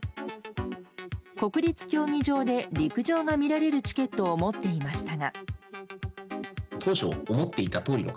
国立競技場で陸上が見られるチケットを持っていましたが。